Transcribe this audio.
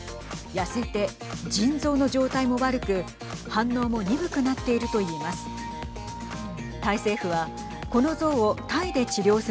痩せて腎臓の状態も悪く反応も鈍くなっていると言います。